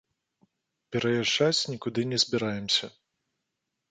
Пераязджаць нікуды не збіраемся.